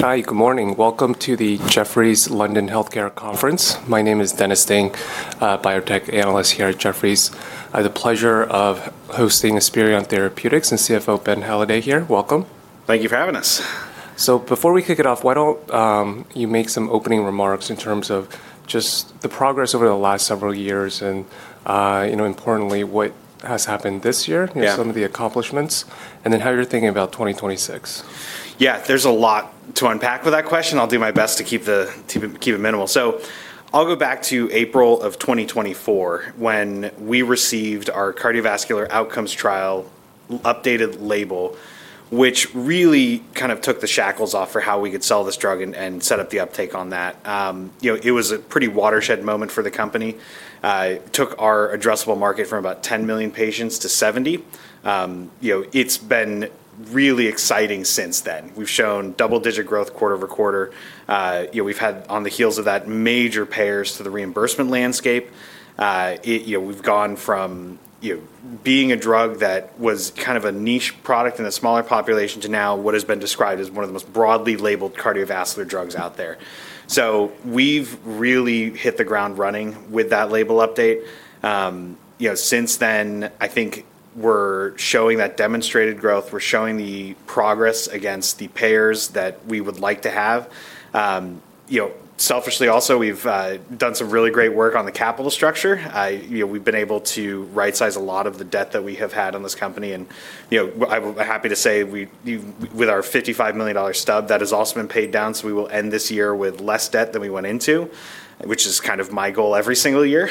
Hi, good morning. Welcome to the Jefferies London Healthcare Conference. My name is Dennis Ding, biotech analyst here at Jefferies. I have the pleasure of hosting Esperion Therapeutics and CFO Ben Halladay here. Welcome. Thank you for having us. Before we kick it off, why don't you make some opening remarks in terms of just the progress over the last several years and, importantly, what has happened this year, some of the accomplishments, and then how you're thinking about 2026? Yeah, there's a lot to unpack with that question. I'll do my best to keep it minimal. I'll go back to April of 2024 when we received our cardiovascular outcomes trial updated label, which really kind of took the shackles off for how we could sell this drug and set up the uptake on that. It was a pretty watershed moment for the company. It took our addressable market from about 10 million patients to 70 million. It's been really exciting since then. We've shown double-digit growth quarter-over-quarter. We've had, on the heels of that, major payers to the reimbursement landscape. We've gone from being a drug that was kind of a niche product in a smaller population to now what has been described as one of the most broadly labeled cardiovascular drugs out there. We've really hit the ground running with that label update. Since then, I think we're showing that demonstrated growth. We're showing the progress against the payers that we would like to have. Selfishly, also, we've done some really great work on the capital structure. We've been able to right-size a lot of the debt that we have had on this company. I'm happy to say, with our $55 million stub, that has also been paid down. We will end this year with less debt than we went into, which is kind of my goal every single year.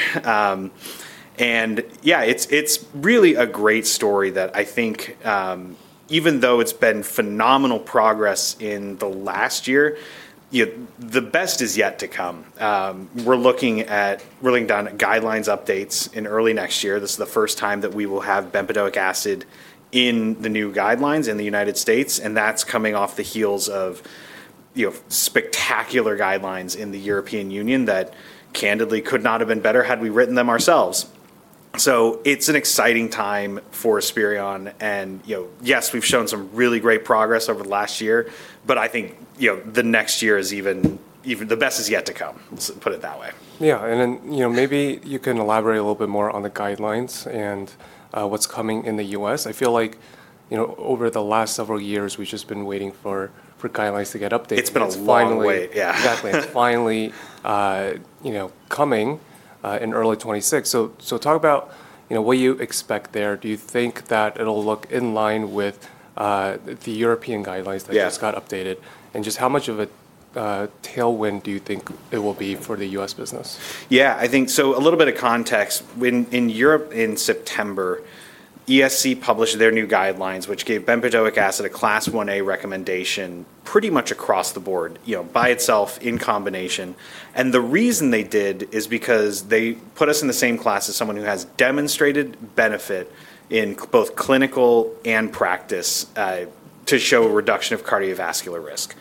Yeah, it's really a great story that I think, even though it's been phenomenal progress in the last year, the best is yet to come. We're looking at rolling down guidelines updates in early next year. This is the first time that we will have bempedoic acid in the new guidelines in the United States. That is coming off the heels of spectacular guidelines in the European Union that, candidly, could not have been better had we written them ourselves. It is an exciting time for Esperion. Yes, we have shown some really great progress over the last year, but I think the next year is even—the best is yet to come. Let us put it that way. Yeah. Maybe you can elaborate a little bit more on the guidelines and what's coming in the U.S. I feel like over the last several years, we've just been waiting for guidelines to get updated. It's been a long wait. Exactly. It's finally coming in early 2026. Talk about what you expect there. Do you think that it'll look in line with the European guidelines that just got updated? Just how much of a tailwind do you think it will be for the U.S. business? Yeah. So a little bit of context. In Europe, in September, ESC published their new guidelines, which gave bempedoic acid a class 1A recommendation pretty much across the board by itself in combination. The reason they did is because they put us in the same class as someone who has demonstrated benefit in both clinical and practice to show a reduction of cardiovascular risk,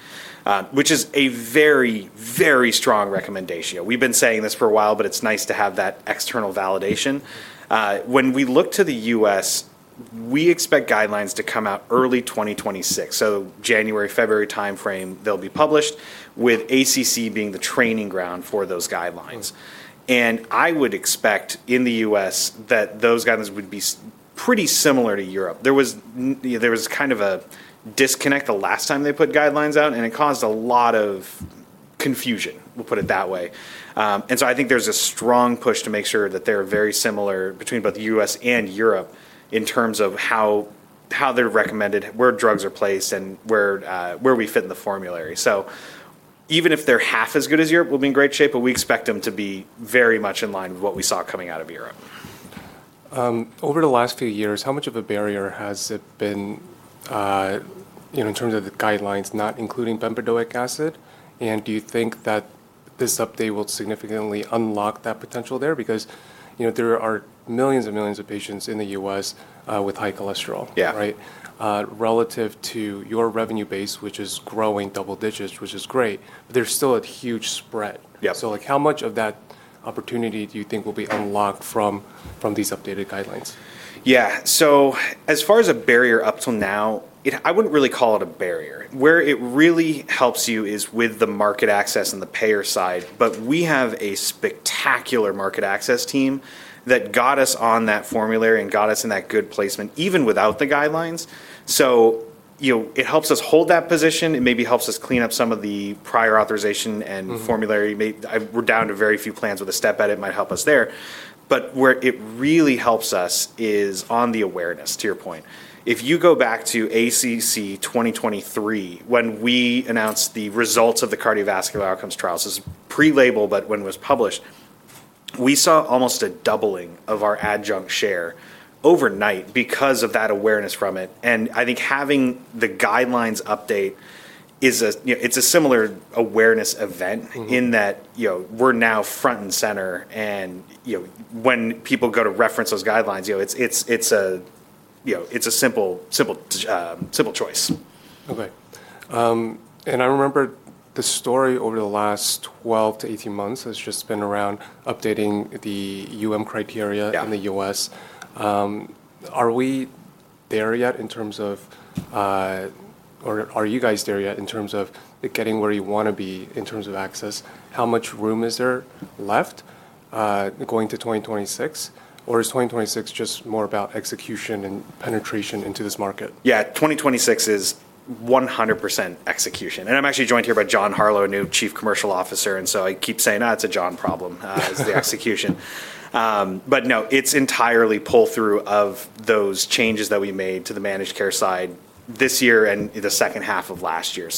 which is a very, very strong recommendation. We've been saying this for a while, but it's nice to have that external validation. When we look to the U.S., we expect guidelines to come out early 2026. January, February timeframe, they'll be published, with ACC being the training ground for those guidelines. I would expect in the U.S. that those guidelines would be pretty similar to Europe. There was kind of a disconnect the last time they put guidelines out, and it caused a lot of confusion, we'll put it that way. I think there's a strong push to make sure that they're very similar between both the U.S. and Europe in terms of how they're recommended, where drugs are placed, and where we fit in the formulary. Even if they're half as good as Europe, we'll be in great shape, but we expect them to be very much in line with what we saw coming out of Europe. Over the last few years, how much of a barrier has it been in terms of the guidelines not including bempedoic acid? Do you think that this update will significantly unlock that potential there? There are millions and millions of patients in the U.S. with high cholesterol, right, relative to your revenue base, which is growing double digits, which is great, but there is still a huge spread. How much of that opportunity do you think will be unlocked from these updated guidelines? Yeah. As far as a barrier up till now, I would not really call it a barrier. Where it really helps you is with the market access and the payer side. We have a spectacular market access team that got us on that formulary and got us in that good placement even without the guidelines. It helps us hold that position. It maybe helps us clean up some of the prior authorization and formulary. We are down to very few plans with a step edit. It might help us there. Where it really helps us is on the awareness, to your point. If you go back to ACC 2023, when we announced the results of the cardiovascular outcomes trials, this is pre-label, but when it was published, we saw almost a doubling of our adjunct share overnight because of that awareness from it. I think having the guidelines update, it's a similar awareness event in that we're now front and center. When people go to reference those guidelines, it's a simple choice. Okay. I remember the story over the last 12-18 months has just been around updating the criteria in the U.S. Are we there yet in terms of, or are you guys there yet in terms of getting where you want to be in terms of access? How much room is there left going to 2026? Is 2026 just more about execution and penetration into this market? Yeah, 2026 is 100% execution. I'm actually joined here by John Harlow, new Chief Commercial Officer. I keep saying, it's a John problem, is the execution. No, it's entirely pull-through of those changes that we made to the managed care side this year and the second half of last year.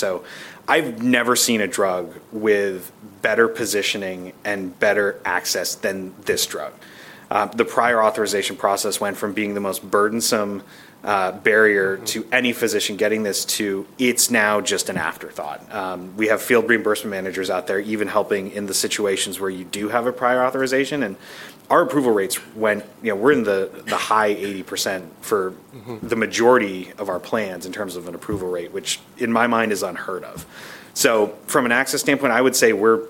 I've never seen a drug with better positioning and better access than this drug. The prior authorization process went from being the most burdensome barrier to any physician getting this to it's now just an afterthought. We have field reimbursement managers out there even helping in the situations where you do have a prior authorization. Our approval rates went, we're in the high 80% for the majority of our plans in terms of an approval rate, which in my mind is unheard of. From an access standpoint, I would say we're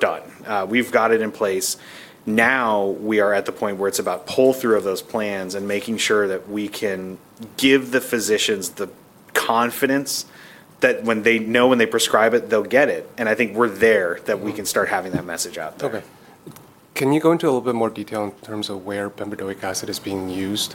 done. We've got it in place. Now we are at the point where it's about pull-through of those plans and making sure that we can give the physicians the confidence that when they know when they prescribe it, they'll get it. I think we're there that we can start having that message out there. Okay. Can you go into a little bit more detail in terms of where bempedoic acid is being used,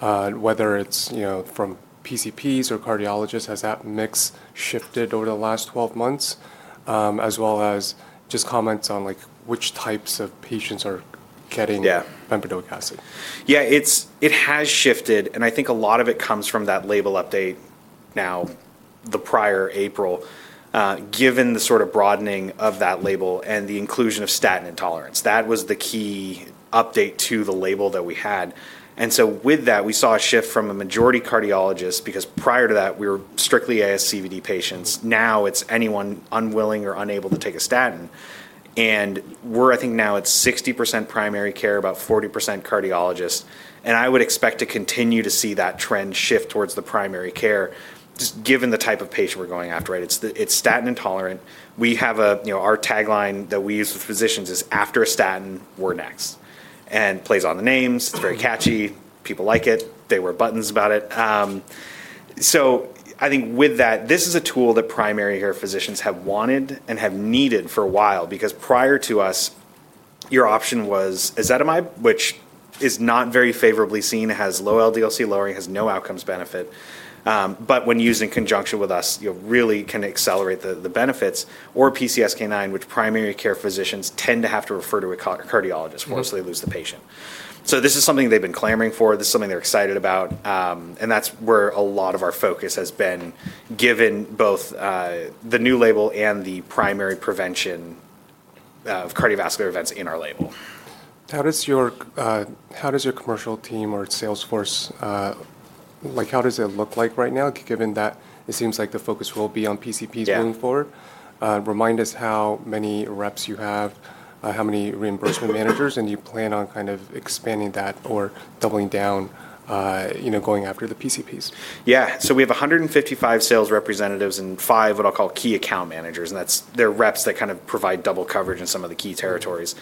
whether it's from PCPs or cardiologists? Has that mix shifted over the last 12 months, as well as just comments on which types of patients are getting bempedoic acid? Yeah, it has shifted. I think a lot of it comes from that label update now, the prior April, given the sort of broadening of that label and the inclusion of statin intolerance. That was the key update to the label that we had. With that, we saw a shift from a majority cardiologist because prior to that, we were strictly ASCVD patients. Now it is anyone unwilling or unable to take a statin. I think now it is 60% primary care, about 40% cardiologists. I would expect to continue to see that trend shift towards the primary care just given the type of patient we are going after, right? It is statin intolerant. Our tagline that we use with physicians is, "After a statin, we are next." It plays on the names. It is very catchy. People like it. They wear buttons about it. I think with that, this is a tool that primary care physicians have wanted and have needed for a while because prior to us, your option was Ezetimibe, which is not very favorably seen. It has low LDL-C lowering, has no outcomes benefit. But when used in conjunction with us, you really can accelerate the benefits. Or PCSK9, which primary care physicians tend to have to refer to a cardiologist once they lose the patient. This is something they've been clamoring for. This is something they're excited about. That's where a lot of our focus has been given both the new label and the primary prevention of cardiovascular events in our label. How does your commercial team or Salesforce, how does it look like right now given that it seems like the focus will be on PCPs moving forward? Remind us how many reps you have, how many reimbursement managers, and do you plan on kind of expanding that or doubling down going after the PCPs? Yeah. So we have 155 sales representatives and five what I'll call key account managers. And they're reps that kind of provide double coverage in some of the key territories.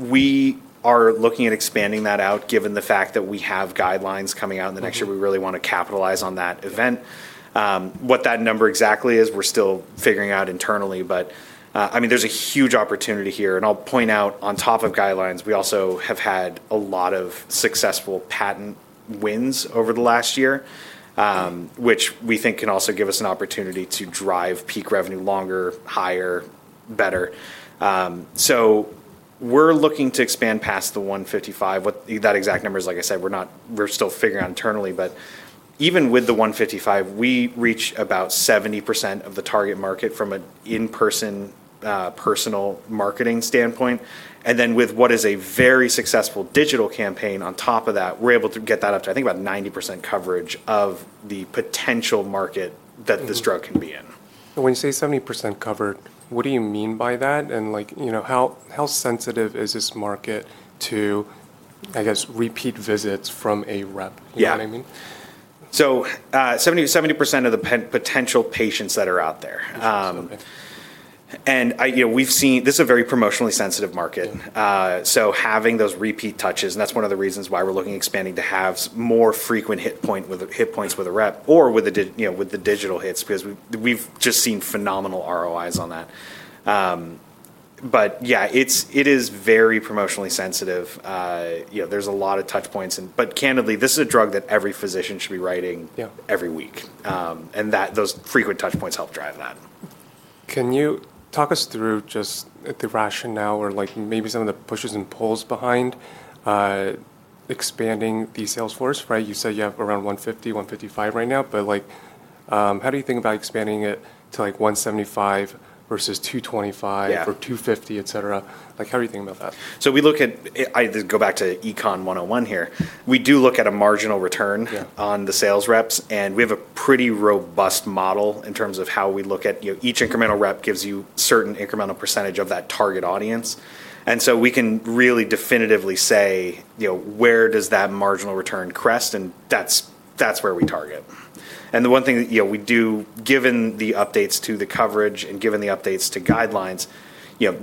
We are looking at expanding that out given the fact that we have guidelines coming out in the next year. We really want to capitalize on that event. What that number exactly is, we're still figuring out internally. I mean, there's a huge opportunity here. I'll point out on top of guidelines, we also have had a lot of successful patent wins over the last year, which we think can also give us an opportunity to drive peak revenue longer, higher, better. We are looking to expand past the 155. That exact number is, like I said, we're still figuring out internally. Even with the 155, we reach about 70% of the target market from an in-person personal marketing standpoint. With what is a very successful digital campaign on top of that, we're able to get that up to, I think, about 90% coverage of the potential market that this drug can be in. When you say 70% covered, what do you mean by that? How sensitive is this market to, I guess, repeat visits from a rep? You know what I mean? Yeah. So 70% of the potential patients that are out there. We've seen this is a very promotionally sensitive market. Having those repeat touches, and that's one of the reasons why we're looking at expanding to have more frequent hit points with a rep or with the digital hits, because we've just seen phenomenal ROIs on that. Yeah, it is very promotionally sensitive. There's a lot of touch points. Candidly, this is a drug that every physician should be writing every week. Those frequent touch points help drive that. Can you talk us through just the rationale or maybe some of the pushes and pulls behind expanding the Salesforce, right? You said you have around 150, 155 right now. How do you think about expanding it to 175 versus 225 or 250, etc.? How do you think about that? We look at, I go back to Econ 101 here. We do look at a marginal return on the sales reps. We have a pretty robust model in terms of how we look at each incremental rep gives you a certain incremental percentage of that target audience. We can really definitively say where does that marginal return crest? That is where we target. The one thing we do, given the updates to the coverage and given the updates to guidelines,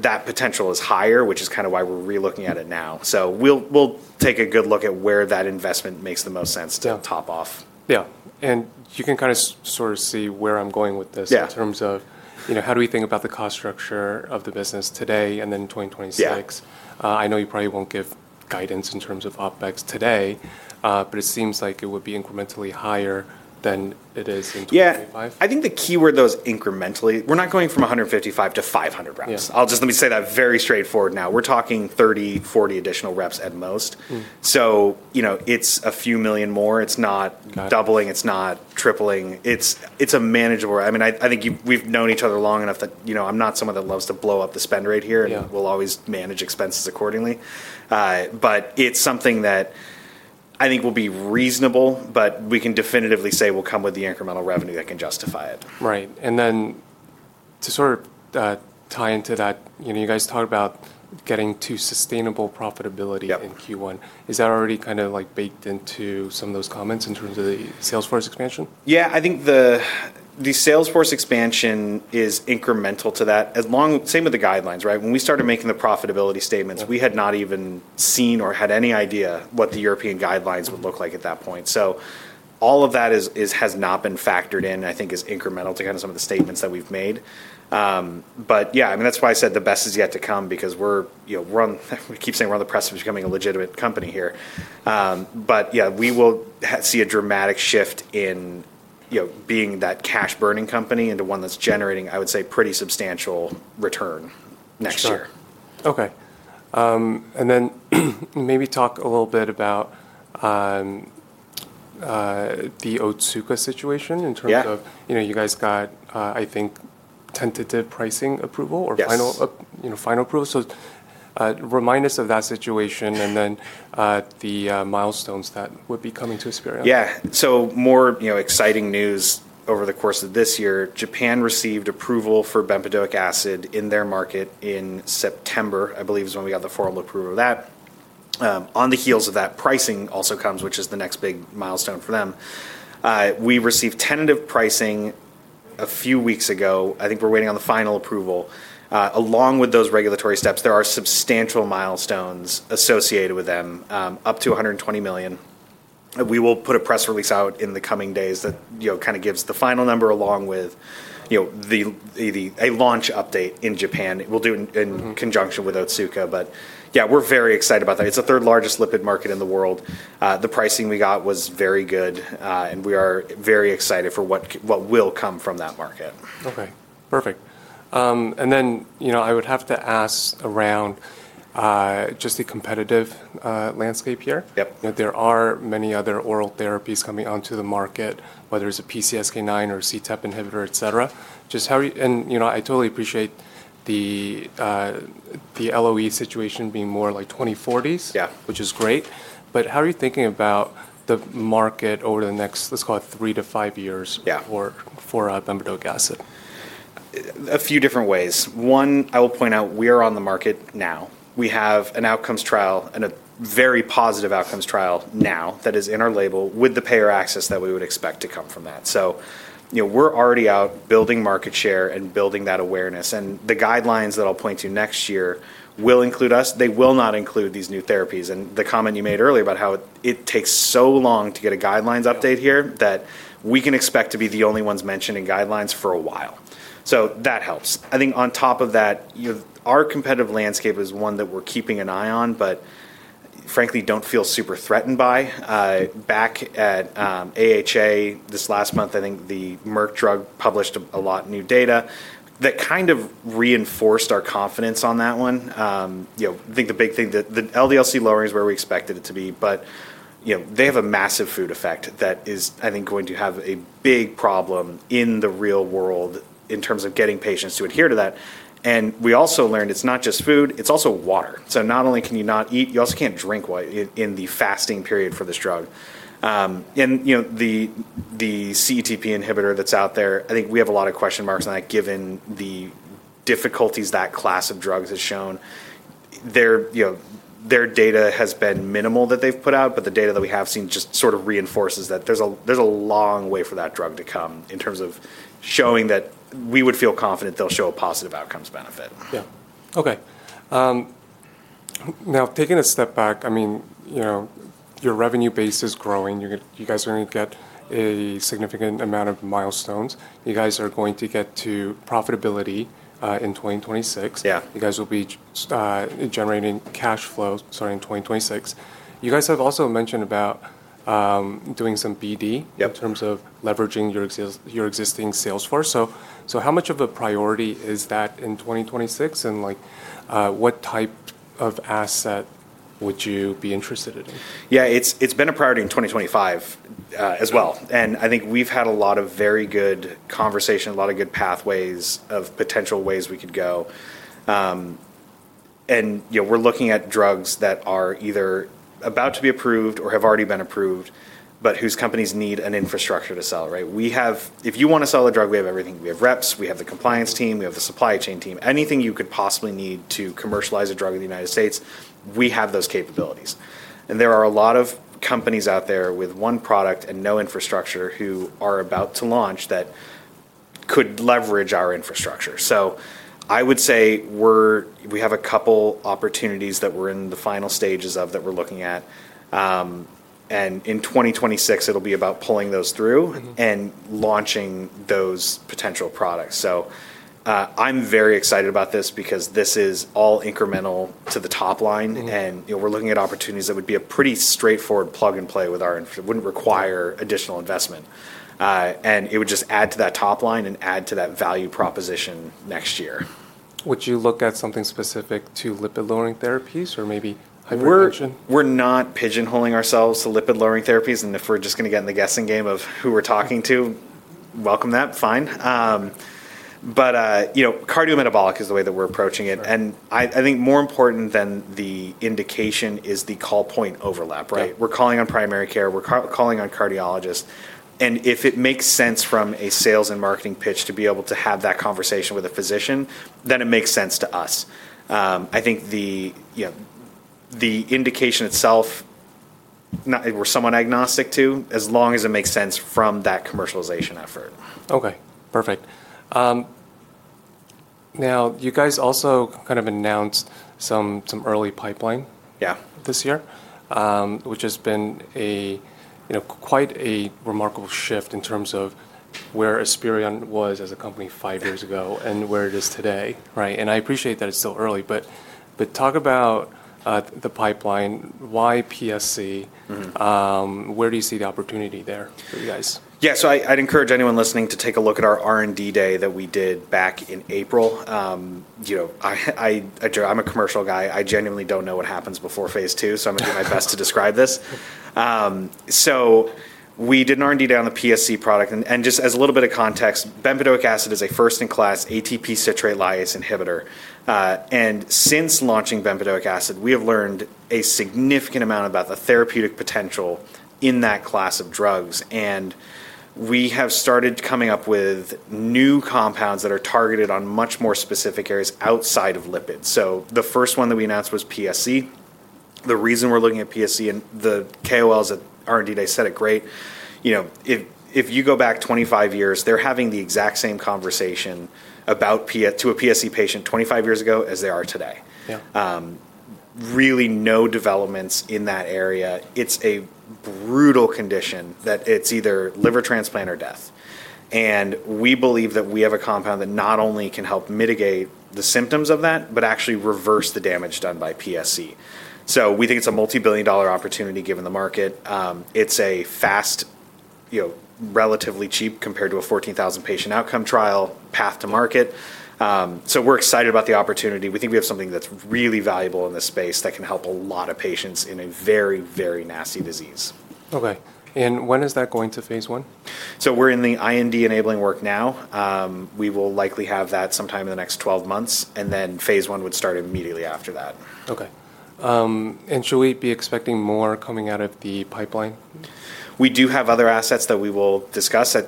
that potential is higher, which is kind of why we're re-looking at it now. We will take a good look at where that investment makes the most sense to top off. Yeah. You can kind of sort of see where I'm going with this in terms of how do we think about the cost structure of the business today and then 2026? I know you probably won't give guidance in terms of OpEx today, but it seems like it would be incrementally higher than it is in 2025. Yeah. I think the keyword though is incrementally. We're not going from 155 to 500 reps. Let me say that very straightforward now. We're talking 30-40 additional reps at most. So it's a few million more. It's not doubling. It's not tripling. It's manageable. I mean, I think we've known each other long enough that I'm not someone that loves to blow up the spend rate here and will always manage expenses accordingly. It's something that I think will be reasonable, but we can definitively say will come with the incremental revenue that can justify it. Right. And then to sort of tie into that, you guys talked about getting to sustainable profitability in Q1. Is that already kind of baked into some of those comments in terms of the Salesforce expansion? Yeah. I think the Salesforce expansion is incremental to that. Same with the guidelines, right? When we started making the profitability statements, we had not even seen or had any idea what the European guidelines would look like at that point. All of that has not been factored in, I think, is incremental to kind of some of the statements that we've made. Yeah, I mean, that's why I said the best is yet to come because we're on, we keep saying we're on the precipice of becoming a legitimate company here. Yeah, we will see a dramatic shift in being that cash-burning company into one that's generating, I would say, pretty substantial return next year. Okay. Maybe talk a little bit about the Otsuka situation in terms of you guys got, I think, tentative pricing approval or final approval. Remind us of that situation and then the milestones that would be coming to Esperion? Yeah. More exciting news over the course of this year. Japan received approval for bempedoic acid in their market in September, I believe is when we got the formal approval of that. On the heels of that, pricing also comes, which is the next big milestone for them. We received tentative pricing a few weeks ago. I think we're waiting on the final approval. Along with those regulatory steps, there are substantial milestones associated with them, up to $120 million. We will put a press release out in the coming days that kind of gives the final number along with a launch update in Japan. We'll do it in conjunction with Otsuka. Yeah, we're very excited about that. It's the third largest lipid market in the world. The pricing we got was very good. We are very excited for what will come from that market. Okay. Perfect. I would have to ask around just the competitive landscape here. There are many other oral therapies coming onto the market, whether it's a PCSK9 or a CETP inhibitor, etc. I totally appreciate the LOE situation being more like 2040s, which is great. How are you thinking about the market over the next, let's call it three to five years for bempedoic acid? A few different ways. One, I will point out we are on the market now. We have an outcomes trial, a very positive outcomes trial now that is in our label with the payer access that we would expect to come from that. We are already out building market share and building that awareness. The guidelines that I'll point to next year will include us. They will not include these new therapies. The comment you made earlier about how it takes so long to get a guidelines update here that we can expect to be the only ones mentioning guidelines for a while. That helps. I think on top of that, our competitive landscape is one that we're keeping an eye on, but frankly, do not feel super threatened by. Back at AHA this last month, I think the Merck drug published a lot of new data that kind of reinforced our confidence on that one. I think the big thing, the LDL-C lowering is where we expected it to be. They have a massive food effect that is, I think, going to have a big problem in the real world in terms of getting patients to adhere to that. We also learned it's not just food. It's also water. Not only can you not eat, you also can't drink in the fasting period for this drug. The CETP inhibitor that's out there, I think we have a lot of question marks on that given the difficulties that class of drugs has shown. Their data has been minimal that they've put out, but the data that we have seen just sort of reinforces that there's a long way for that drug to come in terms of showing that we would feel confident they'll show a positive outcomes benefit. Yeah. Okay. Now, taking a step back, I mean, your revenue base is growing. You guys are going to get a significant amount of milestones. You guys are going to get to profitability in 2026. You guys will be generating cash flow starting in 2026. You guys have also mentioned about doing some BD in terms of leveraging your existing Salesforce. How much of a priority is that in 2026? And what type of asset would you be interested in? Yeah. It's been a priority in 2025 as well. I think we've had a lot of very good conversation, a lot of good pathways of potential ways we could go. We're looking at drugs that are either about to be approved or have already been approved, but whose companies need an infrastructure to sell, right? If you want to sell a drug, we have everything. We have reps. We have the compliance team. We have the supply chain team. Anything you could possibly need to commercialize a drug in the United States, we have those capabilities. There are a lot of companies out there with one product and no infrastructure who are about to launch that could leverage our infrastructure. I would say we have a couple of opportunities that we're in the final stages of that we're looking at. In 2026, it'll be about pulling those through and launching those potential products. I'm very excited about this because this is all incremental to the top line. We're looking at opportunities that would be a pretty straightforward plug and play with our infrastructure. It wouldn't require additional investment. It would just add to that top line and add to that value proposition next year. Would you look at something specific to lipid-lowering therapies or maybe hypertension? We're not pigeonholing ourselves to lipid-lowering therapies. If we're just going to get in the guessing game of who we're talking to, welcome that. Fine. Cardiometabolic is the way that we're approaching it. I think more important than the indication is the call point overlap, right? We're calling on primary care. We're calling on cardiologists. If it makes sense from a sales and marketing pitch to be able to have that conversation with a physician, then it makes sense to us. I think the indication itself, we're somewhat agnostic to, as long as it makes sense from that commercialization effort. Okay. Perfect. Now, you guys also kind of announced some early pipeline this year, which has been quite a remarkable shift in terms of where Esperion was as a company five years ago and where it is today, right? I appreciate that it's still early. Talk about the pipeline, why PSC? Where do you see the opportunity there for you guys? Yeah. I'd encourage anyone listening to take a look at our R&D Day that we did back in April. I'm a commercial guy. I genuinely don't know what happens before phase II. I'm going to do my best to describe this. We did an R&D day on the PSC product. Just as a little bit of context, bempedoic acid is a first-in-class ATP citrate lyase inhibitor. Since launching bempedoic acid, we have learned a significant amount about the therapeutic potential in that class of drugs. We have started coming up with new compounds that are targeted on much more specific areas outside of lipids. The first one that we announced was PSC. The reason we're looking at PSC, and the KOLs at R&D day said it great. If you go back 25 years, they're having the exact same conversation to a PSC patient 25 years ago as they are today. Really no developments in that area. It's a brutal condition that it's either liver transplant or death. We believe that we have a compound that not only can help mitigate the symptoms of that, but actually reverse the damage done by PSC. We think it's a multi-billion dollar opportunity given the market. It's a fast, relatively cheap compared to a 14,000 patient outcome trial path to market. We're excited about the opportunity. We think we have something that's really valuable in this space that can help a lot of patients in a very, very nasty disease. Okay. When is that going to phase I? We're in the IND enabling work now. We will likely have that sometime in the next 12 months. Phase I would start immediately after that. Okay. Should we be expecting more coming out of the pipeline? We do have other assets that we will discuss. I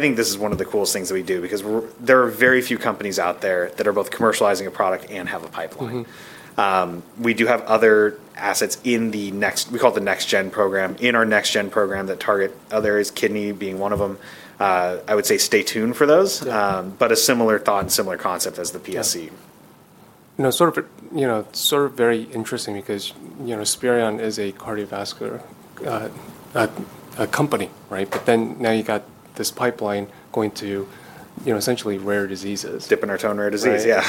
think this is one of the coolest things that we do because there are very few companies out there that are both commercializing a product and have a pipeline. We do have other assets in the next, we call it the next-gen program. In our next-gen program that target others, kidney being one of them, I would say stay tuned for those. A similar thought and similar concept as the PSC. Sort of very interesting because Esperion is a cardiovascular company, right? But then now you got this pipeline going to essentially rare diseases. Dipping our toe in rare disease, yeah.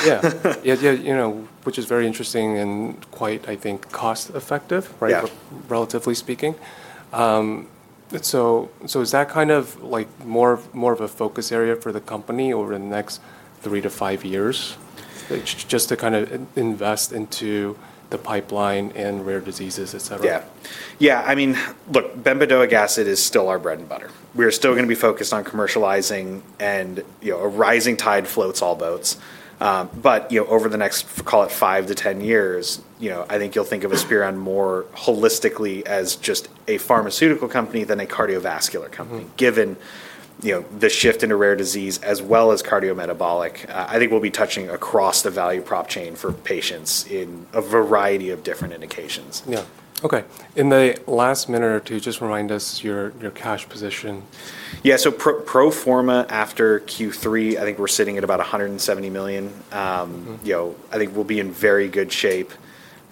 Yeah. Which is very interesting and quite, I think, cost-effective, right, relatively speaking. Is that kind of more of a focus area for the company over the next three to five years just to kind of invest into the pipeline and rare diseases, etc.? Yeah. Yeah. I mean, look, bempedoic acid is still our bread and butter. We are still going to be focused on commercializing and a rising tide floats all boats. Over the next, call it five to ten years, I think you'll think of Esperion more holistically as just a pharmaceutical company than a cardiovascular company given the shift into rare disease as well as cardiometabolic. I think we'll be touching across the value prop chain for patients in a variety of different indications. Yeah. Okay. In the last minute or two, just remind us your cash position. Yeah. So pro forma after Q3, I think we're sitting at about $170 million. I think we'll be in very good shape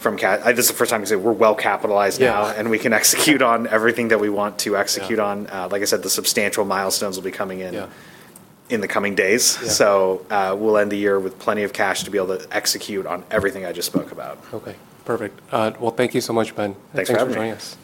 from cash. This is the first time I can say we're well capitalized now and we can execute on everything that we want to execute on. Like I said, the substantial milestones will be coming in the coming days. We'll end the year with plenty of cash to be able to execute on everything I just spoke about. Okay. Perfect. Thank you so much, Ben. Thanks for having us. Thanks for joining us.